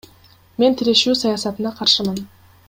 Мен тирешүү саясатына каршымын.